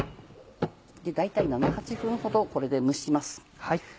大体７８分ほどこれで蒸します。